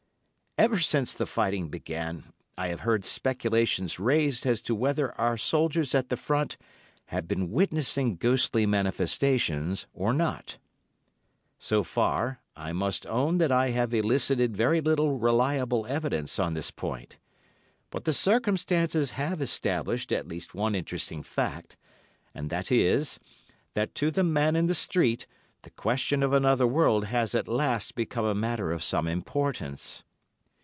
Ever since the fighting began I have heard speculations raised as to whether our soldiers at the Front have been witnessing ghostly manifestations or not. So far, I must own that I have elicited very little reliable evidence on this point, but the circumstances have established at least one interesting fact, and that is, that to the man in the street the question of another world has at last become a matter of some importance.